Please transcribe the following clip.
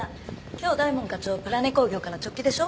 今日大門課長プラネ工業から直帰でしょ？